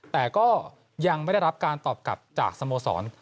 แต่ก็ยังไม่ได้รับการตอบกลับจากสโมสร